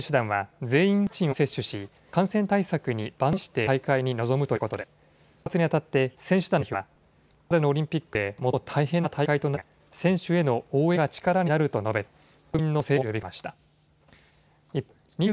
選手団は全員ワクチンを接種し感染対策に万全を期して大会に臨むということで出発にあたって選手団の代表はこれまでのオリンピックで最も大変な大会となるが選手への応援が力になると述べて国民の声援を呼びかけました。